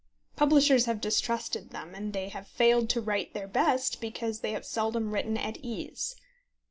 Publishers have distrusted them, and they have failed to write their best because they have seldom written at ease.